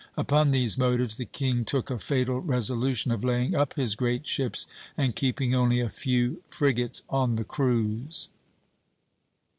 Upon these motives the king took a fatal resolution of laying up his great ships and keeping only a few frigates on the cruise."